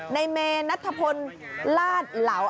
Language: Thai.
ในเมนัทธพลลาดเหลา